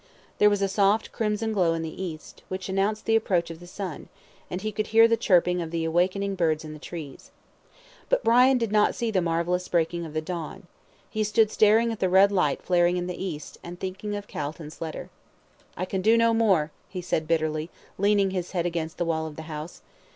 There was a soft crimson glow in the east, which announced the approach of the sun, and he could hear the chirping of the awakening birds in the trees. But Brian did not see the marvellous breaking of the dawn. He stood staring at the red light flaring in the east, and thinking of Calton's letter. "I can do no more," he said bitterly, leaning his head against the wall of the house.